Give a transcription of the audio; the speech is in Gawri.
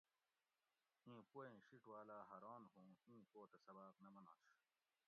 ایں پویٔں شیٹ واۤلاۤ حاۤران ھو اوُں ایں پو تہ سباۤق نہ منںش